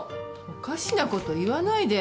おかしなこと言わないで！？